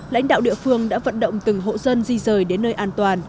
lãnh đạo địa phương đã vận động từng hộ dân di rời đến nơi an toàn